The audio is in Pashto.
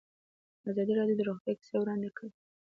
ازادي راډیو د روغتیا کیسې وړاندې کړي.